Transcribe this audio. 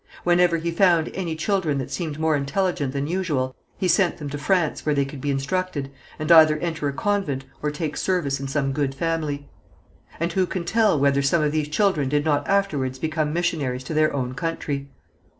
Whenever he found any children that seemed more intelligent than usual, he sent them to France, where they could be instructed, and either enter a convent or take service in some good family. And who can tell whether some of these children did not afterwards become missionaries to their own country?